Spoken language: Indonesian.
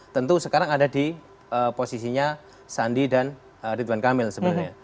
tentu sekarang ada di posisinya sandi dan ridwan kamil sebenarnya